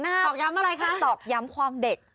ตอกย้ำอะไรคะตอกย้ำความเด็ก